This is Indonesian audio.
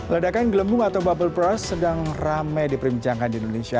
ledakan gelembung atau bubble brush sedang ramai diperbincangkan di indonesia